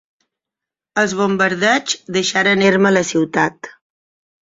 Els bombardeigs deixaren erma la ciutat.